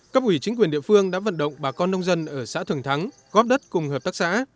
cấp ủy chính quyền địa phương đã vận động bà con nông dân ở xã thường thắng góp đất cùng hợp tác xã